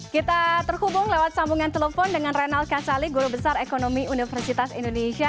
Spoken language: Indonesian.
kita terhubung lewat sambungan telepon dengan renald kasali guru besar ekonomi universitas indonesia